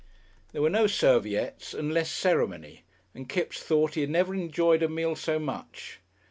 There were no serviettes and less ceremony, and Kipps thought he had never enjoyed a meal so much.